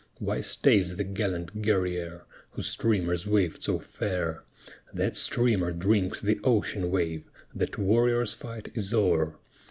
Why stays the gallant Guerrière, Whose streamers waved so fair? That streamer drinks the ocean wave, That warrior's fight is o'er!